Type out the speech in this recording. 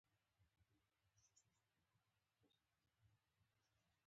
د لمر په څېر وسوځئ دا یو مثال دی.